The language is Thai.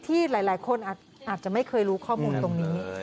ที่หลายคนอาจจะไม่เคยรู้ข้อมูลตรงนี้